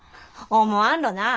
思わんろな。